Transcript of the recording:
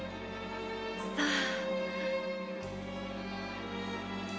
さあ？